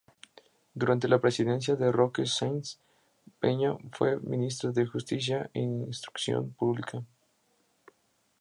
Durante la presidencia de Roque Sáenz Peña fue ministro de Justicia e Instrucción Pública.